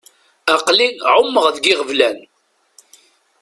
Aql-i εummeɣ deg iɣeblan.